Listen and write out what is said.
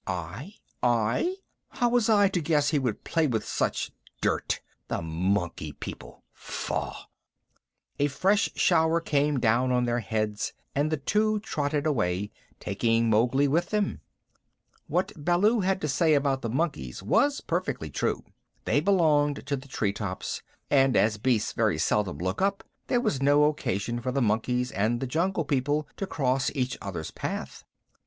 "I I? How was I to guess he would play with such dirt. The Monkey People! Faugh!" A fresh shower came down on their heads and the two trotted away, taking Mowgli with them. What Baloo had said about the monkeys was perfectly true. They belonged to the tree tops, and as beasts very seldom look up, there was no occasion for the monkeys and the Jungle People to cross each other's path.